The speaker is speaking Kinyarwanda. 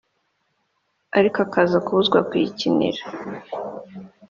ariko akaza kubuzwa kuyikinira